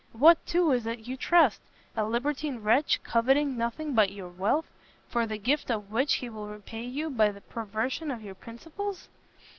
What, too, is it you trust? a libertine wretch, coveting nothing but your wealth, for the gift of which he will repay you by the perversion of your principles!"